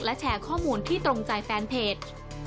และแชร์ข้อมูลที่ตรงใจแฟนเพจ